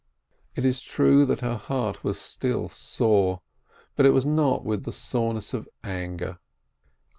It is true that her heart was still sore, but it was not with the soreness of anger.